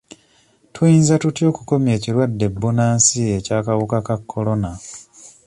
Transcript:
Tuyinza kukomya tutya ekirwadde bbunansi eky'akawuka ka kolona?